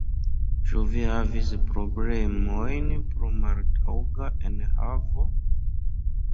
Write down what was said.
Ĉu vi havis problemojn pro maltaŭga enhavo?